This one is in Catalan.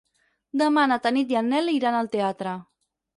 Demà na Tanit i en Nel iran al teatre.